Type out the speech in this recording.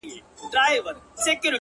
لیوني ته گورئ’ چي ور ځغلي وه سره اور ته’